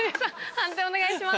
判定お願いします。